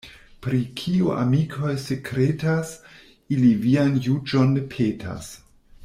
Pri kio amikoj sekretas, ili vian juĝon ne petas.